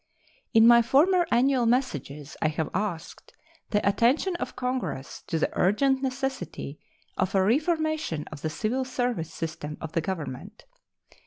In my former annual messages I have asked the attention of Congress to the urgent necessity of a reformation of the civil service system of the Government.